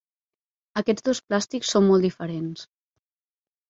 Aquests dos plàstics són molt diferents.